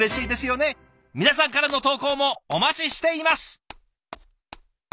皆さんからの投稿もお待ちしています。